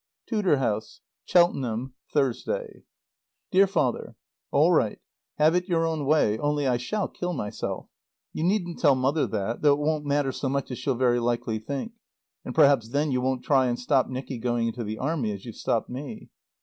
TUDOR HOUSE. CHELTENHAM, Thursday. DEAR FATHER: All right. Have it your own way. Only I shall kill myself. You needn't tell Mother that though it won't matter so much as she'll very likely think. And perhaps then you won't try and stop Nicky going into the Army as you've stopped me.